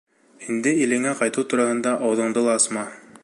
Инде илеңә ҡайтыу тураһында ауыҙыңды ла асма.